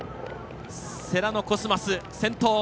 世羅のコスマス、先頭。